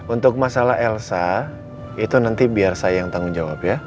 untuk masalah elsa itu nanti biar saya yang tanggung jawab ya